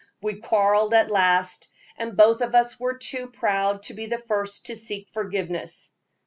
We quarreled at last, and both of us were too proud to be the first to seek forgiveness.